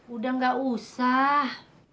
udah nggak usah